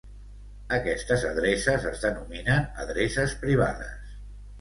Aquestes adreces es denominen adreces privades.